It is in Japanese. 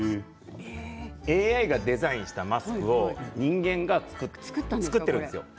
ＡＩがデザインしたマスクを人間が作ってるんです。